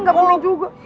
gak boleh juga